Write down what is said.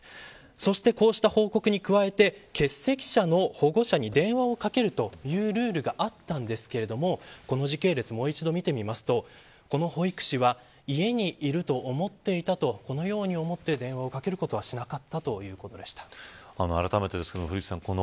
そして、こうした報告に加えて欠席者の保護者に電話をかけるというルールがあったんですがこの時系列をもう一度見てみますとこの保育士は家にいると思っていたとこのように思って電話をかけることをしなかったあらためてですが、古市さん